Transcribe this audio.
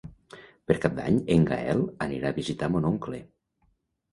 Per Cap d'Any en Gaël anirà a visitar mon oncle.